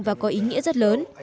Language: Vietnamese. và có ý nghĩa rất lớn